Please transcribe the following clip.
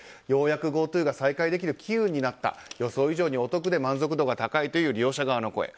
ようやくＧｏＴｏが再開できる機運になった予想以上にお得で満足度が高いという利用者側の声。